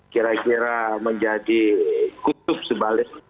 kira kira menjadi kutub sebaliknya